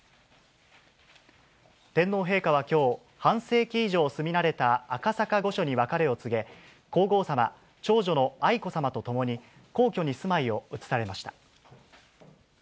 天皇陛下はきょう、半世紀以上住み慣れた赤坂御所に別れを告げ、皇后さま、長女の愛子さまと共に皇居に住まいを移されました。